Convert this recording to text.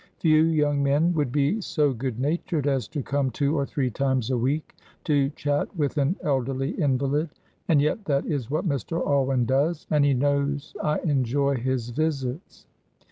Few young men would be so good natured as to come two or three times a week to chat with an elderly invalid. And yet that is what Mr. Alwyn does, and he knows I enjoy his visits.